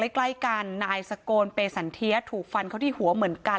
ใกล้กันนายสโกนเปสันเทียถูกฟันเขาที่หัวเหมือนกัน